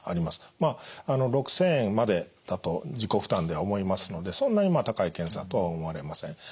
まあ６，０００円までだと自己負担では思いますのでそんなにまあ高い検査とは思われません。